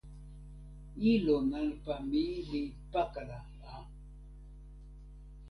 ilo nanpa mi li pakala a!